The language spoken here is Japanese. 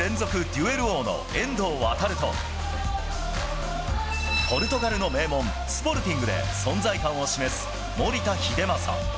デュエル王の遠藤航と、ポルトガルの名門、スポルティングで存在感を示す守田英正。